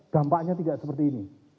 dampaknya tidak seperti ini